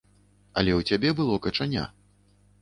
Але ў цябе было качаня.